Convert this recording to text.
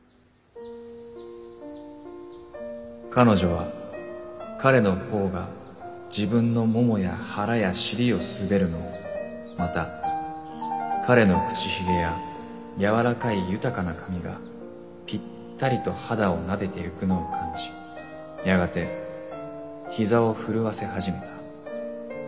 「彼女は彼の頬が自分の腿や腹や尻を滑るのをまた彼の口髭や柔らかい豊かな髪がぴったりと肌を撫でてゆくのを感じやがて膝を震わせ始めた。